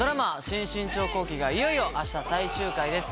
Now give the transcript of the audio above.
『新・信長公記』がいよいよ明日最終回です。